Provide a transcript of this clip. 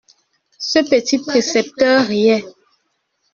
Ce petit précepteur riait.